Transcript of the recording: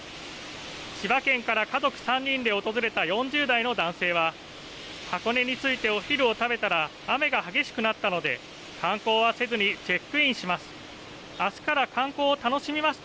千葉県から家族３人で訪れた４０代の男性は箱根に着いてお昼を食べたら雨が激しくなったので観光はせずにチェックインします。